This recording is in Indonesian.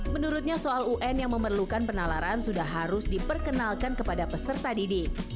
menurutnya soal un yang memerlukan penalaran sudah harus diperkenalkan kepada peserta didik